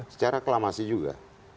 secara aklamasi juga